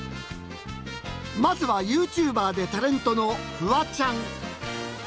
まずはＹｏｕＴｕｂｅｒでタレントのフワちゃん。